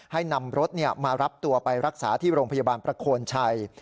ให้นำรถมารับตัวไปรักษาที่โรงพยาบาลประโคนชัย